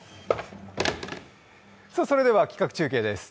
それでは企画中継です。